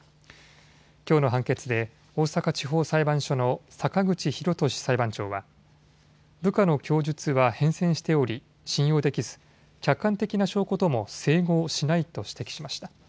きょうの判決で大阪地方裁判所の坂口裕俊裁判長は部下の供述は変遷しており信用できず客観的な証拠とも整合しないと指摘しました。